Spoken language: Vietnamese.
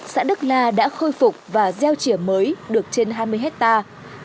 xã đức la đã khôi phục và gieo trỉa mới được trên hai mươi hectare